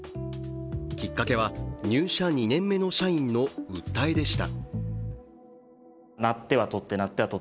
きっかけは入社２年目の社員の訴えでした。